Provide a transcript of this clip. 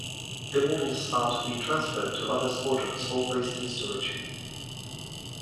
The models are to be transferred to other squadrons or placed in storage.